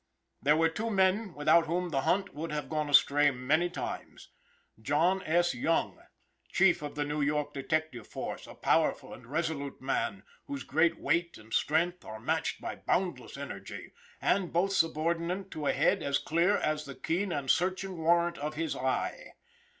There were two men without whom the hunt would have gone astray many times. John S. Young, chief of the New York detective force, a powerful and resolute man, whose great weight and strength are matched by boundless energy, and both subordinate to a head as clear as the keen and searching warrant of his eye.